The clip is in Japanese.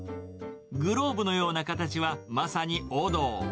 グローブのような形は、まさに王道。